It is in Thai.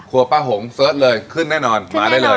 ป้าหงเสิร์ชเลยขึ้นแน่นอนมาได้เลย